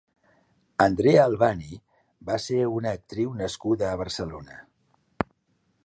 Andrea Albani va ser una actriu nascuda a Barcelona.